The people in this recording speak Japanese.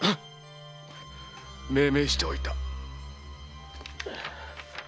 命名しておいた。